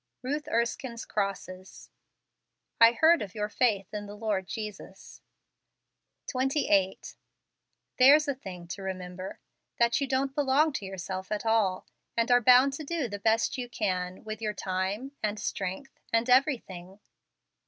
Ruth Erskine's Crosses. "7 heard of your faith in the Lord Jesus" 28. There's a thing to remember; that you don't belong to yourself at all; and are bound to do the best you can with your time, and strength, and everything.